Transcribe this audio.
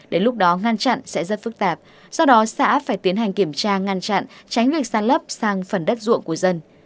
đến lúc đó ngăn chặn sẽ rất phức tạp do đó xã phải tiến hành kiểm tra ngăn chặn tránh việc san lấp sang phần đất ruộng của dân